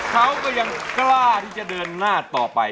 เขาก็ยังกล้าที่จะเดินหน้าต่อไป